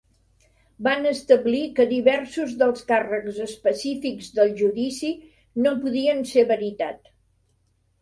Van establir que diversos dels càrrecs específics del judici no podien ser veritat.